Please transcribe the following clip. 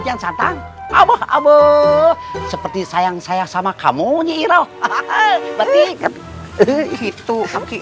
kian santang abu abu seperti sayang saya sama kamu nyiroh hahaha beti itu